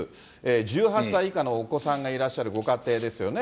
１８歳以下のお子さんがいらっしゃるご家庭ですよね。